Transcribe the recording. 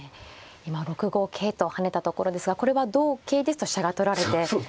今６五桂と跳ねたところですがこれは同桂ですと飛車が取られてしまうので。